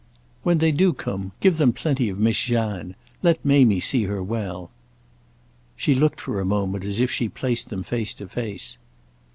"When they do come give them plenty of Miss Jeanne. Let Mamie see her well." She looked for a moment as if she placed them face to face.